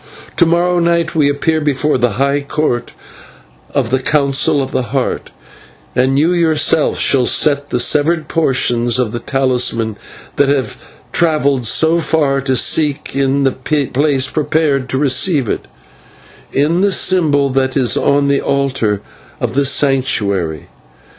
To morrow night we appear before the High Court of the Council of the Heart, and you yourself shall set the severed portions of the talisman that we have travelled so far to seek in the place prepared to receive it, in the symbol that is on the altar of the Sanctuary.